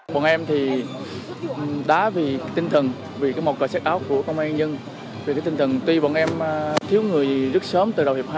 bọn em thì đá vì tinh thần vì cái màu cờ set out của công an nhân vì cái tinh thần tuy bọn em thiếu người rất sớm từ đầu hiệp hai